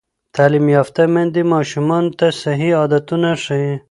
تعلیم یافته میندې ماشومانو ته صحي عادتونه ښيي.